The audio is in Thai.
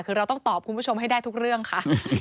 คือเราต้องตอบคุณผู้ชมให้ได้ทุกเรื่องค่ะ